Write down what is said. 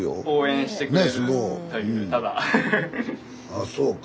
ああそうか。